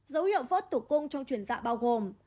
dấu hiệu vỡ tủ cung trong chuyển dạ bao gồm